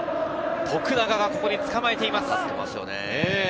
徳永がここでつかまえています。